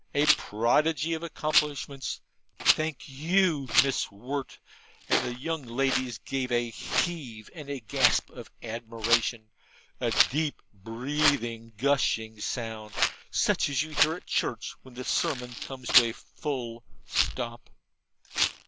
A prodigy of accomplishments! Thank you, Miss Wirt' and the young ladies gave a heave and a gasp of admiration a deep breathing gushing sound, such as you hear at church when the sermon comes to a full stop.